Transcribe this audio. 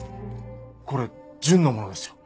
これ純のものですよ。